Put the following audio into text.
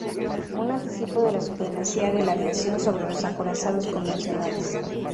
Un anticipo de la supremacía de la aviación sobre los acorazados convencionales.